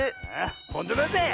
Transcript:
ほんとだぜ！